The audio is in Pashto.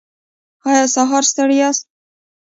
ایا سهار ستړي یاست؟